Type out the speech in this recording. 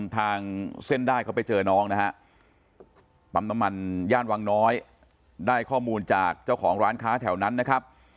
ทางเส้นได้เขาไปเจอน้องนะครับ